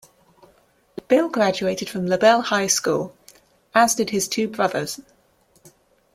Bill graduated from LaBelle High School, as did his two brothers.